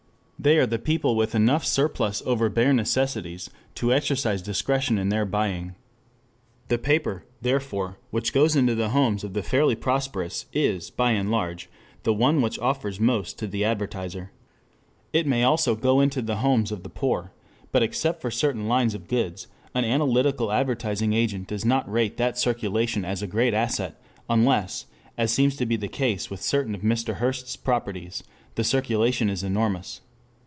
They are the people with enough surplus over bare necessities to exercise discretion in their buying. The paper, therefore, which goes into the homes of the fairly prosperous is by and large the one which offers most to the advertiser. It may also go into the homes of the poor, but except for certain lines of goods, an analytical advertising agent does not rate that circulation as a great asset, unless, as seems to be the case with certain of Mr. Hearst's properties, the circulation is enormous.